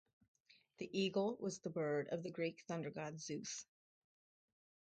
The eagle was the bird of the Greek thunder-god Zeus.